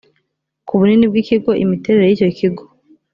ku bunini bw ikigo imiterere y icyo kigo